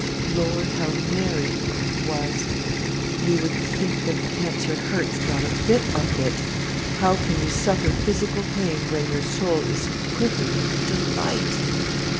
Lord, how merry I was! You would think that cancer hurts: not a bit of it! How can you suffer physical pain when your soul is quivering with delight?